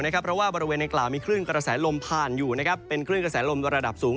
เพราะว่าบริเวณในกล่าวมีคลื่นกระแสลมผ่านอยู่เป็นคลื่นกระแสลมระดับสูง